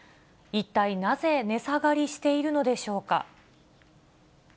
一体なぜ、値下がりしているのでしょうか。